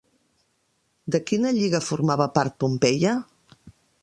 De quina lliga formava part Pompeia?